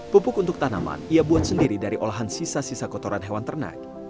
pupuk untuk tanaman ia buat sendiri dari olahan sisa sisa kotoran hewan ternak